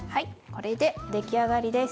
これで出来上がりです。